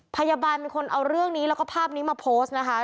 พยาบาลเป็นคนเอาเรื่องนี้แล้วก็ภาพนี้มาโพสต์นะคะ